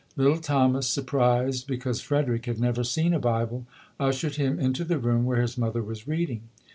Little Thomas, surprised be cause Frederick had never seen a Bible, ushered him into the room where his mother was reading.